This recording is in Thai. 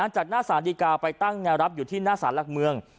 จากหน้าสารดีกาไปตั้งแนวรับอยู่ที่หน้าสารหลักเมือง